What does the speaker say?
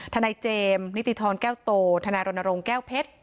ทนายเจมส์นิติธรแก้วโตทนายรณรงค์แก้วเพชร